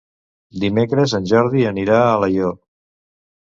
Dimecres en Jordi anirà a Alaior.